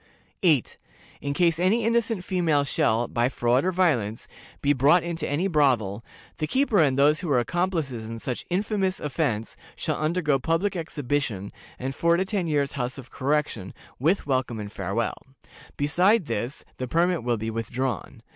"8. In case any innocent female shall, by fraud or violence, be brought into any brothel, the keeper and those who are accomplices in such infamous offense shall undergo public exhibition, and four to ten years' House of Correction, with welcome and farewell. Besides this, the permit will be withdrawn.